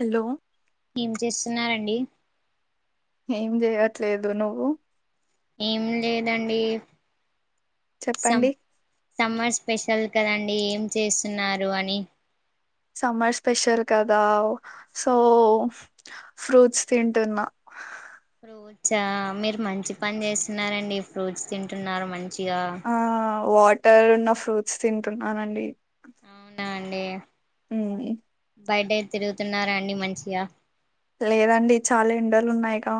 Hello ఏం చేస్తున్నారండి ఏం చేయట్లేదు, నువ్వు? ఏం లేదండి. సం చెప్పండి సమర్ స్పెషల్ కదండి ఏం చేస్తున్నారు అని. సమ్మర్ స్పెషల్ కదా, సో ఫ్రూట్స్ తింటున్నా. ఫ్రూట్స మీరు మంచి పని చేస్తున్నారండి, ఫ్రూట్స్ తింటున్నారు మంచి ఆ వాటర్ ఉన్న ఫ్రూట్స్ తింటున్నానండి. అవునా అండి. ఉమ్ బయటై తిరుగుతున్నారా అండి మంచిగా? లేదండి చాలా ఎండలు ఉన్నాయిగా.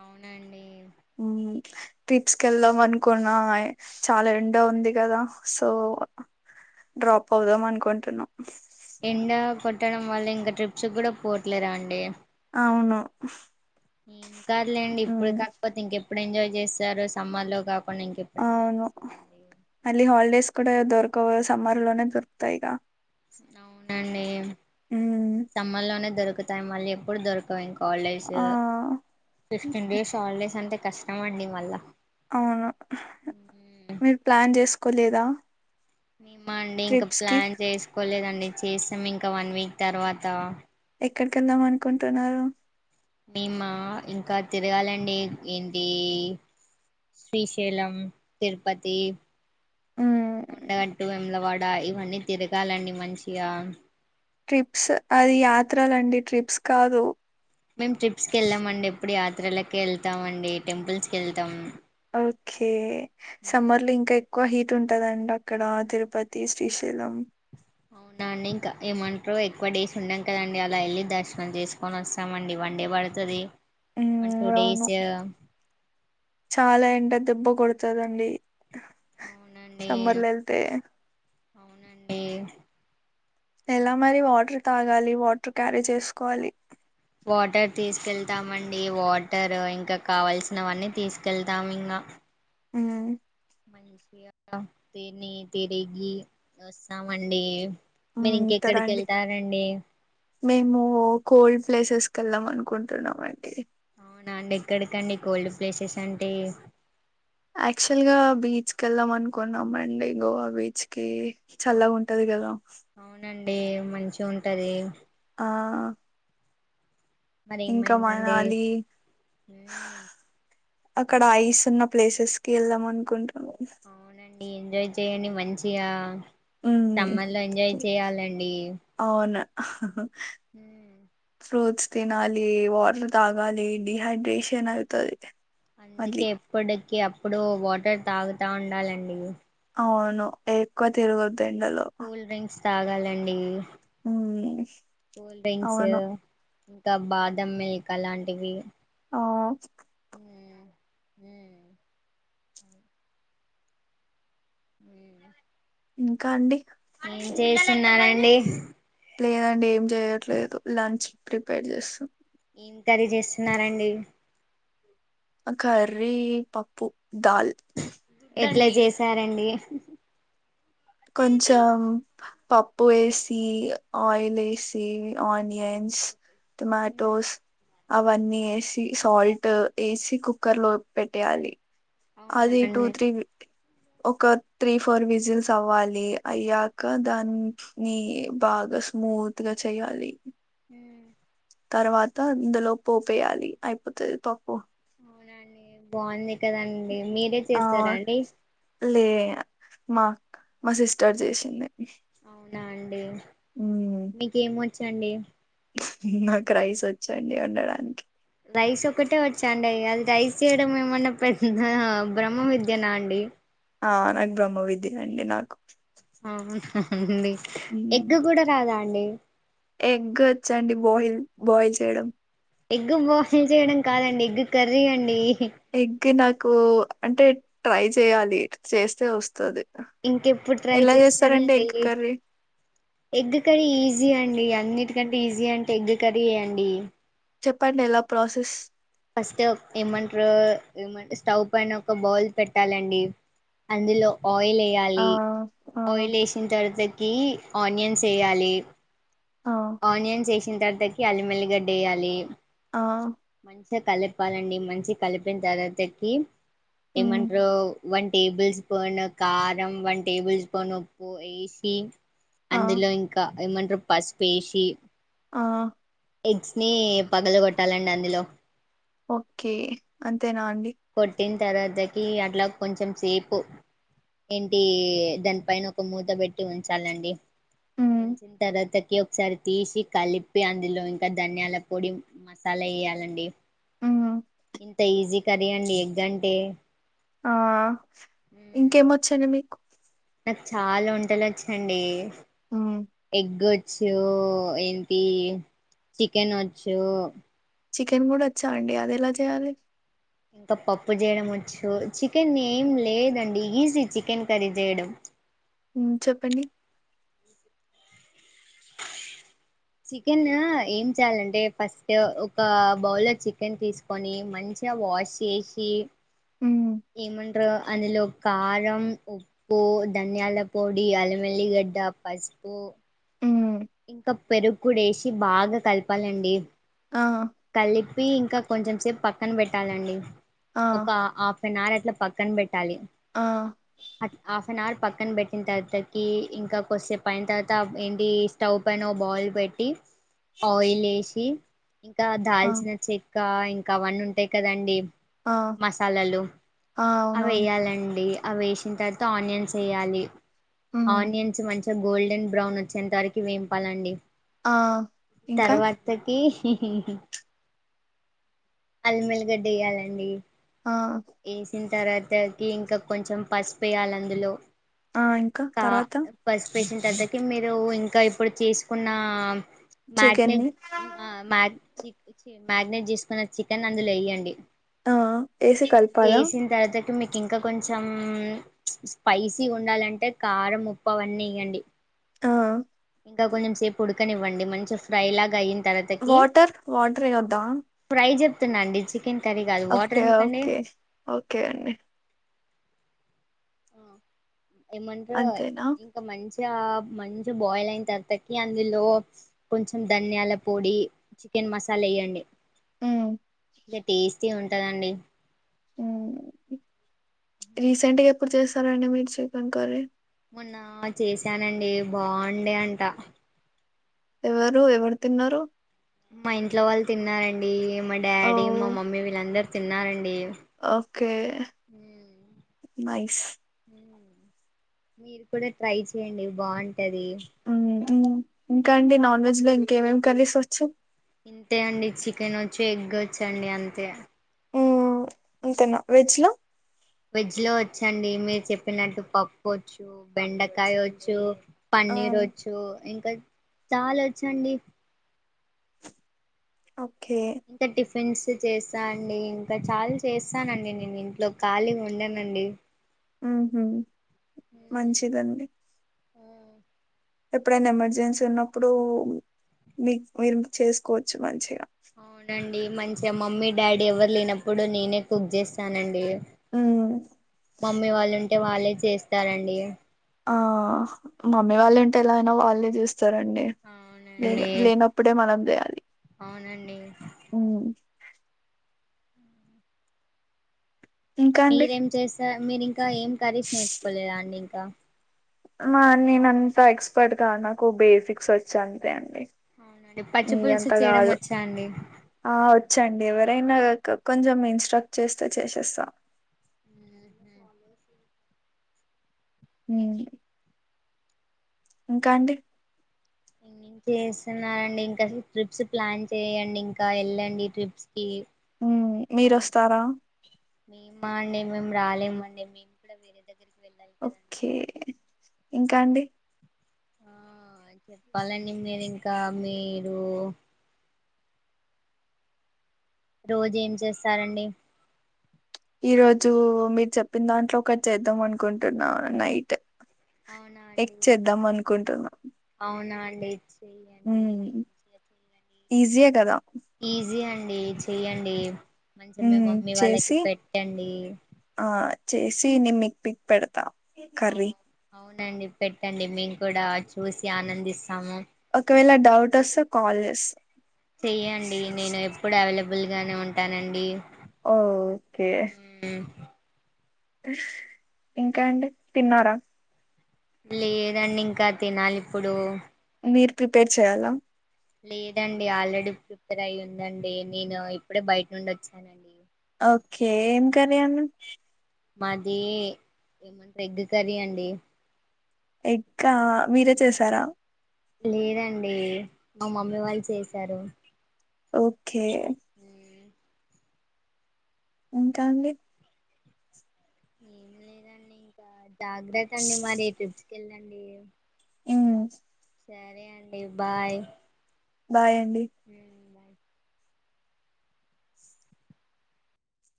అవునండి. ట్రిప్స్ కెళ్దాం అనుకున్నా, చాలా ఎండ ఉంది కదా, సో డ్రాప్ అవుదాం అనుకుంటున్నా. ఎండా కొట్టడం వల్ల, ఇంకా ట్రిప్స్ కూడా పోవట్లేరా అండి. అవును. ఏం కాద్లేండి, ఇప్పుడు ఉమ్, కాకపోతే ఇంకెప్పు ఎప్పుడు ఎంజాయ్ చేస్తారు, సమ్మర్ లోగా అవును, మళ్ళీ హాలిడేస్ కూడా దొరకవు సమ్మర్ లోనే దొరుకుతాయి ఇగ అవునన్ నేమ్ ఉమ్, సమ్మర్ లోనే దొరుక్ పోతాయి మళ్ళీ ఎప్పుడు దొరకవు ఇంక హాలిడేస్ ఆ ఫిఫ్టీన్ డేస్ హాలిడేస్ అంతే కష్టం అండి మళ్ళ అవును మీరు ప్లాన్ చేస్ కోలేదా మేమండి ఇంకా ప్లాన్ చేసుకోలేదండి [unintelligible] చేసాం ఇంకా వన్ వీక్ తర్వాత ఎక్కడికి ఎళ్దాం అనుకుంటున్నారు మేమ ఇంకా తిరగాలండి ఏంటి శ్రీశైలం తిరుపతి మ్మ్ కొండగట్టు వేములవాడ్ డ ఇవన్నీ తిరగాలండి మంచిగా ట్రిప్స్ అది యాత్రలండి ట్రిప్స్ కాదు మేము ట్రిప్స్ కెల్లమండి ఎప్పుడు యాత్రలకే ఎళ్తాం అండి టెంపుల్స్ కి ఎళ్తాం ఓకే సమ్మర్ లో ఇంకా ఎక్కువ హీట్ ఉంటదండి అక్కడ తిరుపతి శ్రీశైలం అవునా అండి ఇంకా ఏమంటరు ఎక్కువ డేస్ ఉండం కదండి అలా వెళ్ళి దర్శనం చేసుకొని వస్తామండి వన్ డే పడుతది వన్ టూ ఉమ్ అవును డేస్ చాలా ఎండ దెబ్బ కొడు తదండి అవునండి సమ్మర్ లో వెళ్తే అవునండి ఎలా ఇంకా మరి వాటర్ తాగాలి వాటర్ క్యారీ చేసుకోవాలి వాటర్ తీసుకెళ్తామండి వాటర్ ఇంకా కావల్సినవన్నీ తీసుకెళ్తాము ఇంకా ఉమ్ మంచిగా తిని తిరిగి వస్తామండి ఆ మీరు ఇంకెక్కడికి తరండి వెళ్తారండి మేము కోల్డ్ ప్లేసెస్ కెల్దం అనుకుంటున్నామండి అవునా అండి ఎక్కడికండి కోల్డ్ ప్లేసెస్ అంటే యాక్చువల్ గా బీచ్ కి వెళ్దాం అనుకున్నాం అండి గోవా బీచ్ కి చల్లగా ఉంటది కదా డి మంచిగా ఉంటది ఆ మరి ఇంకా ఏమైందండి మనాలి ఉమ్, అక్కడ ఐస్ ఉన్న ప్లేసెస్ కి ఎల్దం అన్కుంట్ అ అవునండి ఎంజాయ్ చెయ్యండి మంచిగా ఉమ్ సమ్మర్ లో ఎంజాయ్ చేయాలండి ఆహ మ్మ్ ఫ్రూట్స్ తినాలి వాటర్ తగాలి డిహైడ్రేషన్ అయితది అందుకే ఎప్పుడెక్ అప్ పుడో వాటర్ తాగుతా ఉండాలండి అవును ఎక్కువ తిరగద్ ఎండలో కూల్ డ్రింక్స్ తాగాలండి ఉమ్ కూల్డ్రింక్సు అవును ఇంకా బాదం మిల్క్ అలాంటివి ఆ మ్మ్ మ్మ్ ఉమ్ ఇంకా అండి ఏం చేస్తున్నారండి హ లేదండి ఏం చెయట్లేదు లంచ్ ప్రిపేర్ చేస్తాం ఏం కర్రీ చేస్తున్నారండి ఆ కర్రీ పప్పు దాల్ జేసారండి కొంచం పప్పు వేసి ఆయిల్ వేసి ఆనియన్స్ టొమాటోస్ అవన్నీ ఎసి సాల్ట్ ఎసి కుక్కర్ లో పెట్టేయాలి అవునా అది టూ అండి త్రీ ఒక త్రీ ఫోర్ విజిల్స్ అవ్వాలి అయ్యాక దాన్ని బాగా స్మూత్గా చెయ్యాలి మ్మ్ తర్వాత ఇందులో పోపేయాలి అయిపోతది పప్పు అవునండి బాగుంది కదండి మీరే ఆ చేస్తారా అండి లే మాక్ మా సిస్టర్ జేషింది అవునా అండి మీకేమో చ్చండి నాక్ రైస్ ఒచ్చండి అండడానికి రైస్ ఒక్కటే వచ్చాండి అద్ రైస్ చేయడం ఏమన్నా పెద్ద బ్రహ్మ విద్యనా అండి ఆ నాక్ బ్రహ్మ విద్యేఅండి నాకు అవ్ నా అండి ఎగ్ కూడా రాదా అండి ఎగ్ఓచండి బోయిల్ బాయిల్ చేయడం ఎగ్ బోయిల్ చేయడం కాదండి ఎగ్ కర్రీ అండి ఎగ్ నాకు అంటే ట్రై చేయాలి చేస్తే వస్తది ఇంకెప్పుడు ట్రై ఎలా చేస్సనో చేస్తారండి ఎగ్ తెలీద్ కర్రీ ఎగ్ కర్రీ ఈజీ అండి అన్నిట్ కంటే ఈజీ అంటే ఎగ్ కర్రీ ఏయండి చెప్పండి ఎలా ప్రాసెస్ ఫస్ట్ ఏమంట్రూ స్టవ్ పైన ఒక బౌల్ పెట్టాలండి అందులో ఆయిల్ ఆ వేయాలి ఆ ఆయిల్ వేసిన తర్వాత కి ఆనియన్స్ వేయాలి ఆ ఆనియన్స్ వేసి చిన్నగా తరిగి అల్లి మల్లి గడ్డ వేయాలి ఆ మంచి గకలపాలండి మంచి కలిపిన తర్వాతకి ఉమ్ ఏమంటరు వన్ టేబుల్ స్పూను కారం వన్ టేబుల్ స్పూను ఉప్పు ఏసి ఆ అందులో ఇంకా ఏమంటరు పసుప్ పేసి ఆ ఎగ్స్ ని పగల కొట్టాలండి అందులో ఓకే అంతే న కొట్టిం తర్వాతకి అట్లా కొంచెం సేపు ఏంటి దానిపైన ఒక మూత పెట్టి ఉంచాలండి ఉమ్ ఉంచిన తర్వాతకి ఒకసారి తీసి కలిపి అందులో ఇంకా ధనియాల పొడి మసాలా వేయాలండి ఉమ్ ఇంత ఈజీ యండి ఎగ్గంటే ఆ ఇంకేమొచ్చండి మీకు నాకు చాలా వంటలు వచ్చండి ఉమ్ ఎ వచ్చో ఏంటి చికెన్ వచ్చూ చికెన్ కూడా వచ్చా అండి అది ఎలా చేయాలి ఇంకా పప్పు చేయడం వచ్చు చికెన్ ఏం లేదండి ఈజీ చికెన్ కర్రీ చేయడం చెప్పండి చికెన్ ఏం చేయాలంటే ఫస్ట్ ఒక బౌల్లో చికెన్ తీసుకొని మంచిగా వాష్ చేసి ఉమ్ ఏమంటారు అందులో కారం ఉప్పు ధనియాల పొడి అల్లం వెల్లుల్లి గడ్డ పసుపు ఉమ్ ఇంకా పెరుగు కూడా వేసి బాగా కలపాలండి ఆ చెప్పి ఇంకా కొంచెం సేపు పక్కన పెట్టాలండి ఆ ఒక ఆ నార్ ఎట్లా పక్కన పెట్టి లఫ ఆ [unintelligible] వన్ అవర్ పక్కన పెట్టిన తర్వాతకి ఇంకా కొద్దిసేపు అయిన తర్వాత ఏంటి స్టవ్ పైన ఒక బౌల్ పెట్టి ఆయిల్ యేసి ఇంకా ఆ దాల్చిన చెక్ ఇంకా ఇంకా అవన్నీ ఉంటాయి కదండి ఆ మసాలాలు ఆ అవి అవునవును వేయాలండి. అవి వేసిన తర్వాత ఆనియన్స్ వేయాలి. ఉమ్ ఆనియన్స్ మంచి గోల్డన్ బ్రౌన్ వచ్చేంత వరకి వేపాలండి. ఆ ఇంకా తర్వాతకి హి హి హి అల్మేళ్లగడ్డ వేయ్యాలండి. ఆ తర్వాతకి ఇంకా కొంచెం పసుపు వేయాలి అందులో. ఆ ఇంకా తర్వాత పేషెంట్ దద్దకి మీరు ఇంకా ఇప్పుడు చేసుకున్న చికెన్ని మ్యారినేట్ ఆ మ్యారీనెట్ మ్యారినేట్ చేసుకున్న చికెన్ అందులో వేయ్యండి. ఆ ఏసి కల్పలా ఇ మీకు ఇంకా కొంచెం స్పైసీ ఉండాలంటే కారం, ఉప్పు అవన్నీ ఇయండి. ఆ ఇంకా కొంచెం సేపు ఉడుకనివ్వండి. మంచి ఫ్రై లాగా అయి వాటర్ వాటర్ వెయ్యద్దా నండి చి ఓకే ఓకే ఓకే అండి ఆ ఏమంట అంతేనా ఇంకా మంచి మంచిగా బాయిల్ అయిన తర్వాతకి అందులో కొంచెం ధనియాల పొడి, చికెన్ మసాలా వేయండి. ఉమ్ ఇ టేస్టీ ఎత్తదండి ఉమ్ రీసెంట్గా ఎప్పుడు చేసారండి మీరు చికన్ కర్రి మొన్న చేశానండి బాగుండే అంట. ఎవరు ఎవరు తిన్నారు? మా ఇంట్లో వాళ్ళు తిన్నారండి. మా ఓ డాడీ మా మమ్మీళ్ళంరురూ తిన్నారండి. ఓకే మైస్ మీరు కూడా ట్రై చేయండి బాగుంటు టది హిం ఇంకా అండి నాన్ వెజ్ లో ఇంకేమేమి కర్రీస్ ఒచ్చు. ఇంతే అండి చికెనొచ్చు, ఎగ్గొచ్చండి అంతే హు, అంతేనా వెజ్ లో వెజ్ లో వచ్చండి మీరు చెప్పినట్టు పప్పొచ్చు, బెండకాయొచ్చు. ఆ పన్నీరొచ్చు ఇంకా చాల వచ్చండి. ఓకే ఫెన్స్ చేస్సా అండి ఇంకా చాల్ చేస్సానండి, నేను ఇంట్లో ఖాళీగా ఉండనండి. ఉహు, మంచిదండి. ఉ ఎప్పుడైనా ఎమర్జెన్సీ ఉన్నప్పుడు, మీ మీరు చేసుకోవచ్చు మంచిగా అవుడన్ డి మంచిగా మమ్మీ, డాడీ ఎవ్వరు లేనప్పుడు నేనే కుక్ చేస్సానండి. హ్మ్. మమ్మి వాళ్ళు ఉం టే వాళ్ళే చేస్తారండి. ఆ మమ్మీ వాళ్ళుంటే ఎలా ఐనా వాళ్ళ్ జేస్ సరండి, లేగ అవునండి లేనప్పుడే మనం దేయాలి. అవునండి హు ఇంకా అండి? మీరేం చేస్సా మేరి ఇంకా ఏం కర్రీస్ నేర్చుకోలేద అండి ఇంకా ఆ మాన్నె [unintelligible] ఎక్స్పర్ట్ గా నాకు బేసిక్స్ వచ్చు అంతే అండి. అవునండి పచ్చి మీ పులుసు అంత చేయడం కాదు. వచ్చా అండి. రైన నాకొక కొంచెం ఇన్స్ట్రక్ట్ చేస్తే చేసేస్స హు ఇంకా అండి. ఇంగ చేస్సున్నరండి ఇంకసు ట్రిప్స్ ప్లాన్ చేయండి, ఇంకా ఎళ్ళండి ట్రిప్స్ కి హ్మ్. మంచి మీరొస్తారా? మీ మా అండి మేము రాలేంమండి, మీం కూడా వేరే దగ్గరికి వెళ్ ఓకే, ఇంకా అండి. ఆ చెప్పాలంని మీరు ఇంకా మీరు రోజేం చేస్సారండి. ఈ రోజు మీరు చెప్పిన దాంట్లో ఒకటి చేద్దాం అనుకుంటున్నా నైట్ అవునా ఎక్ అండి చేద్దాం అనుకుంటున్న లేచి ఉ ఈజియే కదా ఈజీ అండి మంచిగా మీ మ్మ్ మమ్మీ వాళ్ళకి చేసి పెట్టండి ఆ చేసి నేను మీకీ పిక్ పెడతా కర్రీ అవును అవును నండి పెట్టండి మేము కూడా చూసి ఆనందిస్తాం. ఒకవేళ డౌట్ వస్తా కాల్ చేస్తా చెయ్యండి నేను ఎప్పుడు అవైలబుల్ గానే ఉంటానండి ఓ ఓకే మ్మ్ ఇంకా అండి తిన్నారా లేదండి ఇంకా తినాలి ఇప్పుడు మీరు ప్రిపేర్ చేయాలా లేదండి ఆల్రెడీ ప్రిపేర్ అయి ఉందండి నేను ఇప్పుడే బయట నుండి వచ్చానండి. ఓకే ఏం కర్రీ అండి మాది ఏవంట ఎగ్ కర్రీ అండి ఎగ్ ఆ మీరే చేసారా లేదండి మా మమ్మీ వాళ్ళు చేసారు ఒకే ఓకే ఇంకా ఏం లేదండి ఇంకా జాగ్రత్త అండి మరి వెళ్ళండి హు సరే అండి బాయ్ బాయ్ అండి బాయ్